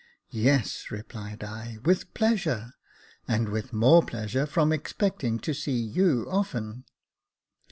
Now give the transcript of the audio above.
" Yes," repUed I, '* with pleasure ; and with more pleasure, from expecting to see you often."